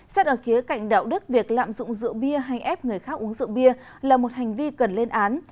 xét ở khía cạnh đạo đức việc lạm dụng rượu bia hay ép người khác uống rượu bia là một hành vi cần lên án